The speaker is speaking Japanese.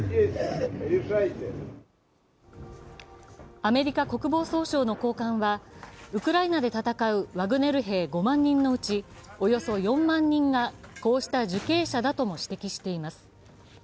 アメリカ国防総省の高官はウクライナで戦うワグネル兵５万人のうちおよそ４万人がこうした受刑者だとも指摘しています。